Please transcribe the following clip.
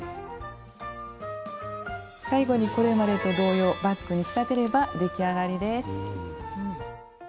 最後にこれまでと同様バッグに仕立てれば出来上がりです。